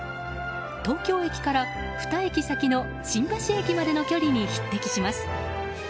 東京駅から２駅先の新橋駅までの距離に匹敵します。